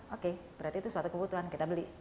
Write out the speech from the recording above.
oke berarti itu suatu kebutuhan kita beli